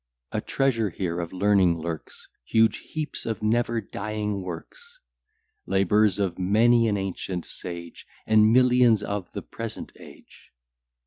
A treasure here of learning lurks, Huge heaps of never dying works; Labours of many an ancient sage, And millions of the present age.